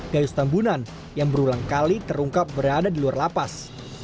gayus tambunan yang berulang kali terungkap berada di luar lapas